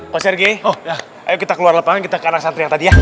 pak sergei ayo kita keluar lapangan kita ke anak santri yang tadi ya